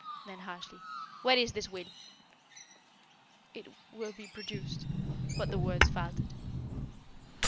Then harshly: "Where is this will?" "It will be produced." But the words faltered.